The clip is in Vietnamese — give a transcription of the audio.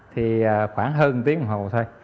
thì khoảng hơn tiếng đồng hồ thôi